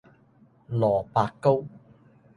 蘿蔔糕